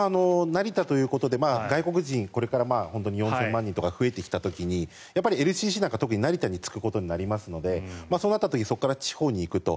成田ということで外国人これから本当に４０００万人とか増えてきた時にＬＣＣなんか特に成田に着くことになるのでそうなった時にそこから海外に行くと。